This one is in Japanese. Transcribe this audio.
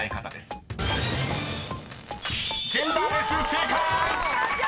［正解！］